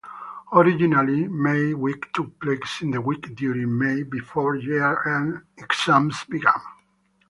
Originally May Week took place in the week during May before year-end exams began.